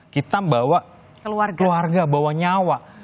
kita bawa keluarga bawa nyawa